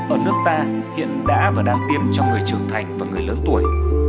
ở nước ta hiện đã và đang tiêm cho người trưởng thành và người lớn tuổi